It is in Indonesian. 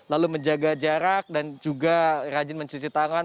lalu menjaga jarak dan juga rajin mencuci tangan